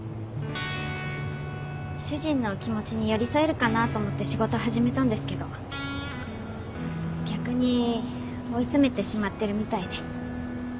主人の気持ちに寄り添えるかなと思って仕事始めたんですけど逆に追い詰めてしまってるみたいで。